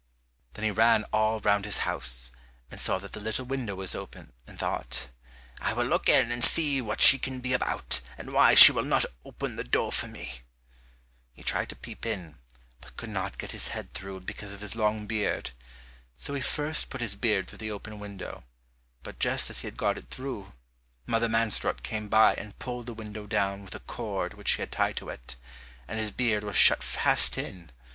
Then he ran all round his house, and saw that the little window was open, and thought, "I will look in and see what she can be about, and why she will not open the door for me." He tried to peep in, but could not get his head through because of his long beard. So he first put his beard through the open window, but just as he had got it through, Mother Mansrot came by and pulled the window down with a cord which she had tied to it, and his beard was shut fast in it.